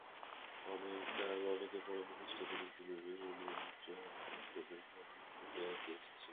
অনেক কাল অনেক পড়া মুখস্থ করিয়া ইতিপূর্বে হেমনলিনীর চেহারা একপ্রকার ক্ষণভঙ্গুর গোছের ছিল।